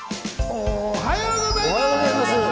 おはようございます！